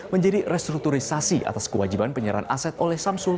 menjadi restrukturisasi atas kewajiban penyerahan aset oleh samsul